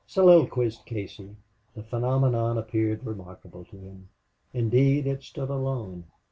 soliloquized Casey. The phenomenon appeared remarkable to him. Indeed, it stood alone.